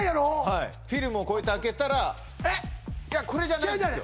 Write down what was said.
はいフィルムをこうやって開けたらいやこれじゃないですよ